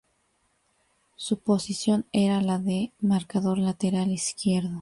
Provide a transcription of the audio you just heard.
Su posición era la de marcador lateral izquierdo.